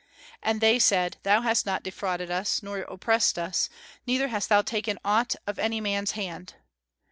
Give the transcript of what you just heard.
And they said, Thou hast not defrauded us, nor oppressed us; neither hast thou taken aught of any man's hand."